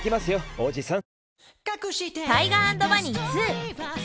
おじさん。